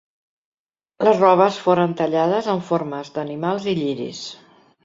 Les robes foren tallades amb formes d'animals i lliris.